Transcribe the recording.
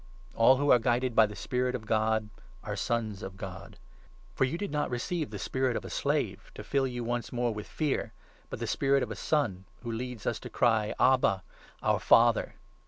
All who are guided by the Spirit of God 14 are Sons of God. For you did not receive the spirit of a 15 slave, to fill you once more with fear, but the spirit of a son which leads us to cry 'Abba, Our Father.'